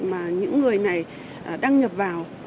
mà những người này đăng nhập vào